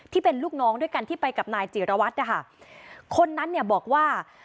ที่เป็นลูกน้องด้วยกันที่ไปกับนายจิรวัตรนะคะคนนั้นเนี่ยบอกว่า